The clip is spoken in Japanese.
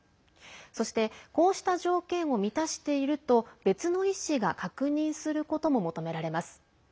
そして、こうした条件を満たしていると別の医師が確認することも求められます。